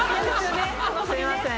すいません。